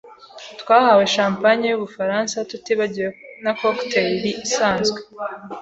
Twahawe champagne yubufaransa, tutibagiwe na cocktail isanzwe.